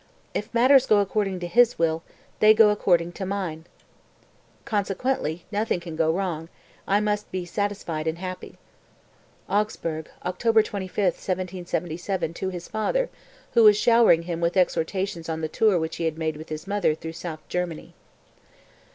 If matters go according to His will they go according to mine; consequently nothing can go wrong, I must be satisfied and happy." (Augsburg, October 25, 1777, to his father, who was showering him with exhortations on the tour which he made with his mother through South Germany.)